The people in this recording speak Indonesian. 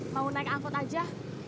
mau naik angkot aja